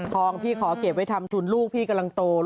ของพี่ขอเก็บไว้ทำทุนลูกพี่กำลังโต